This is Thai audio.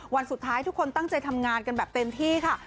วันสุดท้ายทุกคนตั้งใจทำงานกันแบบเต็มที่ค่ะ